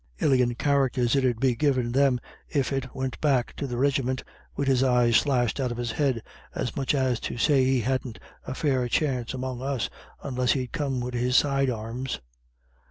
Iligant charácters it 'ud be givin' them if he wint back to the rigimint wid his eyes slashed out of his head, as much as to say he hadn't a fair chance among us unless he'd come wid his side arms."